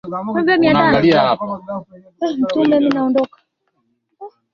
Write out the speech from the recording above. viongozi na anaendelea na mazungumzo ya kusaka mbinu za kurejesha imani kwa wananchi